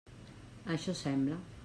Això sembla.